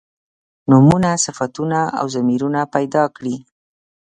نومونه صفتونه او ضمیرونه پیدا کړي.